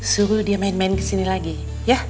suhu dia main main kesini lagi ya